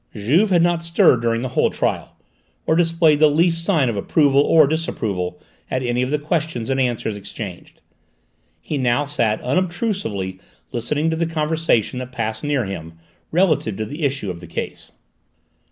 Juve had not stirred during the whole trial, or displayed the least sign of approval or disapproval at any of the questions and answers exchanged. He sat now unobtrusively listening to the conversation that passed near him, relative to the issue of the case.